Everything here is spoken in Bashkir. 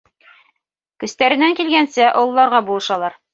Көстәренән килгәнсә, ололарға булышалар.